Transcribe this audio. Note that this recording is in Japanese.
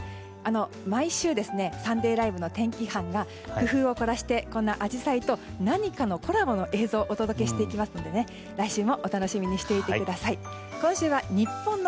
毎週「サンデーＬＩＶＥ！！」の天気班が工夫を凝らしてこんなアジサイと何かのコラボの映像をお届けしていきますので来週もお楽しみにしていてください。